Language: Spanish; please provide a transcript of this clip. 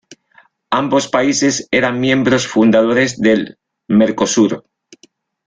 Ambos países eran miembros fundadores del Mercosur.